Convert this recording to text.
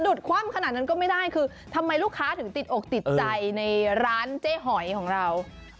คว่ำขนาดนั้นก็ไม่ได้คือทำไมลูกค้าถึงติดอกติดใจในร้านเจ๊หอยของเรา